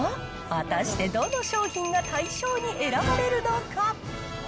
果たしてどの商品が大賞に選ばれるのか。